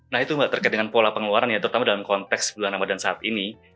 nah itu mbak terkait dengan pola pengeluaran ya terutama dalam konteks bulan ramadan saat ini